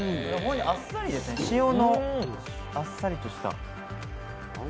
塩のあっさりとした。